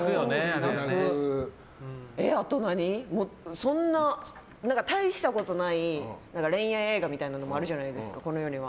あと、大したことない恋愛映画みたいなのあるじゃないですか、この世には。